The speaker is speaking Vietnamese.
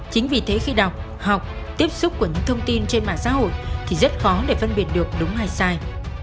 chính vì thế khi đọc học tiếp xúc của những thông tin trên mạng xã hội thì rất khó để phân biệt được đúng ai sai